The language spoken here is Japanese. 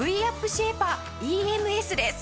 シェイパーＥＭＳです。